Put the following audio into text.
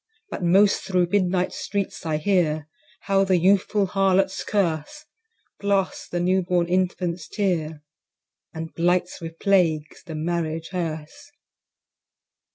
But most thro' midnight streets I hear How the youthful Harlot's curse Blasts the new born Infant's tear, And blights with plagues the Marriage hearse.